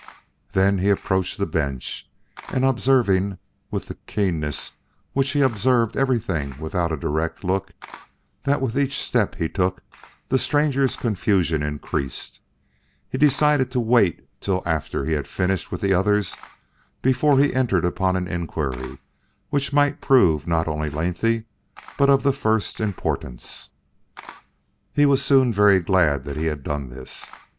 Then he reapproached the bench, and observing, with the keenness with which he observed everything without a direct look, that with each step he took the stranger's confusion increased, he decided to wait till after he had finished with the others, before he entered upon an inquiry which might prove not only lengthy but of the first importance. He was soon very glad that he had done this.